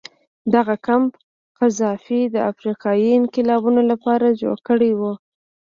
دغه کمپ قذافي د افریقایي انقلابینو لپاره جوړ کړی و.